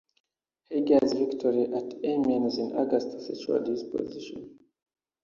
Haig's victory at Amiens in August secured his position.